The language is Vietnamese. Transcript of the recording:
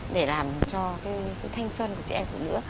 để làm cho cái thanh xuân của chị em phụ nữ